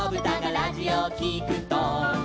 「ラジオをきくと」